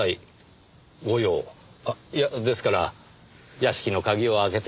あっいやですから屋敷の鍵を開けて頂くために。